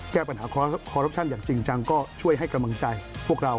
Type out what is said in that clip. แก้ปัญหาคอรัปชั่นอย่างจริงจังก็ช่วยให้กำลังใจพวกเรา